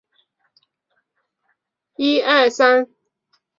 季福为英宗乳母之夫君。